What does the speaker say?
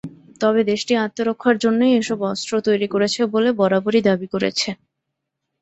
তবে দেশটি আত্মরক্ষার জন্যই এসব অস্ত্র তৈরি করেছে বলে বরাবরই দাবি করেছে।